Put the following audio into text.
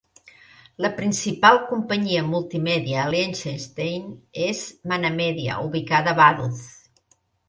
La principal companyia multimèdia a Liechtenstein és ManaMedia, ubicada a Vaduz.